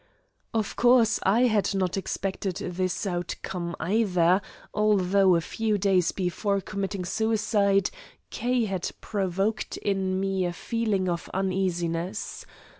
Of course, I had not expected this outcome, either, although a few days before committing suicide, K. had provoked in me a feeling of uneasiness.